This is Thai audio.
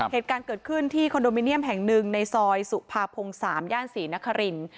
เหตุการณ์เกิดขึ้นที่คอนโดมิเนียมแห่งหนึ่งในซอยสุภาพง๓ย่านศรีนคริน